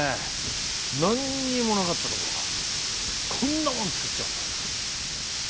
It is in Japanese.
何にもなかったところからこんなもん作っちゃうんだから。